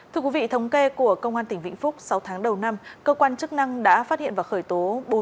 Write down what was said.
thưa quý vị thống kê của công an tỉnh vĩnh phúc sáu tháng đầu năm cơ quan chức năng đã phát hiện và khởi tố bốn mươi bảy vụ án